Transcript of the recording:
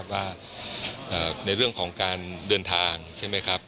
ว่าในเรื่องของการเดินทางใช่ไหมครับ